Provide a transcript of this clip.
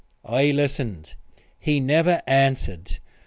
I listened. He never answered.